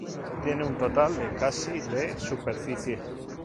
Tiene un total de casi de superficie.